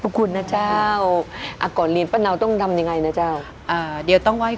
กรูผู้สืบสารล้านนารุ่นแรกแรกรุ่นเลยนะครับผม